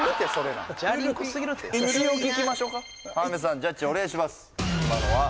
ジャッジお願いします